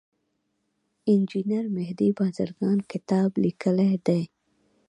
انجینیر مهدي بازرګان کتاب لیکلی دی.